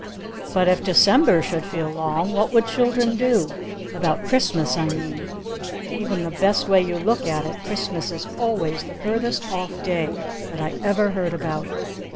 But if December should feel long, what would children do? About Christmas, I mean! Even the best way you look at it, Christmas is always the furthest off day that I ever heard about!